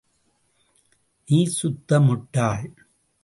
நீ சுத்த முட்டாள்.